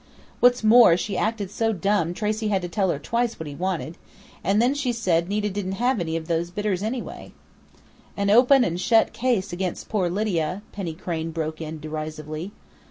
What's more, she acted so dumb Tracey had to tell her twice what he wanted.... And then she said Nita didn't have any of those bitters anyway." "An open and shut case against poor Lydia!" Penny Crain broke in derisively.